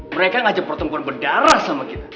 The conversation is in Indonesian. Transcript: mereka ngajak pertemuan berdarah sama kita